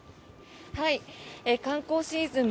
観光シーズン